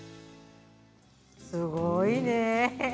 すごいね。